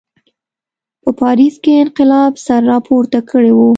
په پاریس کې انقلاب سر راپورته کړی و.